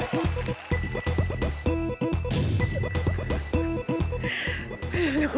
ไม่เคยจะคุย